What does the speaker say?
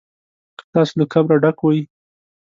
که تاسو له کبره ډک وئ.